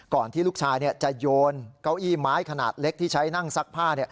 ที่ลูกชายจะโยนเก้าอี้ไม้ขนาดเล็กที่ใช้นั่งซักผ้า